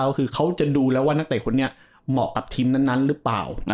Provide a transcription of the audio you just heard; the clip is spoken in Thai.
ก็คือเขาจะดูแล้วว่านักเตะคนนี้เหมาะกับทีมนั้นหรือเปล่า